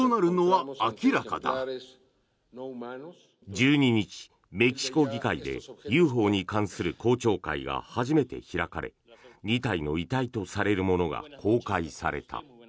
１２日、メキシコ議会でＵＦＯに関する公聴会が初めて開かれ２体の遺体とされるものが公開された。